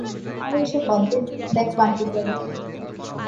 আরে ঐসব বাদ দে, দেখ বান্টির গাড়ি।